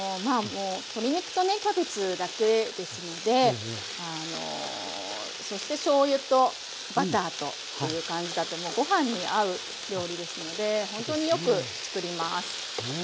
鶏肉とねキャベツだけですのであのそしてしょうゆとバターという感じだともうご飯に合う料理ですのでほんとによく作ります。